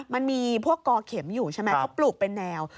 มันมีพวกกอเข็มอยู่ใช่ไหมเขาปลูกเป็นแนว